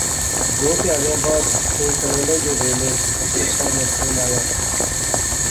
ددو تہاڑیاں بعد کوئی کلیلیں جے ویلے اصغر صاحب ناں فوں آیا